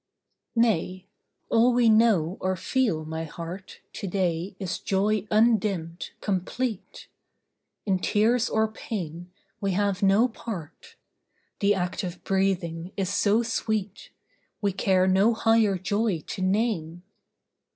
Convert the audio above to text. Nay! all we know, or feel, my heart, To day is joy undimmed, complete; In tears or pain we have no part; The act of breathing is so sweet, We care no higher joy to name.